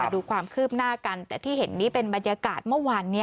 ดูความคืบหน้ากันแต่ที่เห็นนี้เป็นบรรยากาศเมื่อวานนี้